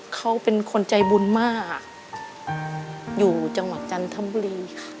เขาเป็นคนใจบุญมากอยู่จังหวัดจันทบุรี